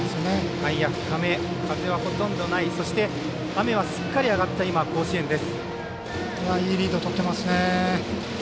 外野深めで風はほとんどない雨はすっかり上がった甲子園です。